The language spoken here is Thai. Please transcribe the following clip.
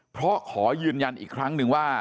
เพราะขอยืนยันอีกครั้งนึงว่า